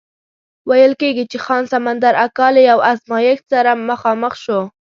ویل کېږي چې خان سمندر اکا له یو ازمایښت سره مخامخ شو.